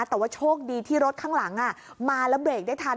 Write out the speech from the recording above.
แต่ว่าโชคดีที่รถข้างหลังมาแล้วเบรกได้ทัน